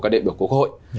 đều có cơ hội